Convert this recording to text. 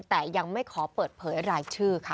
แต่ยังไม่ขอเปิดเผยรายชื่อค่ะ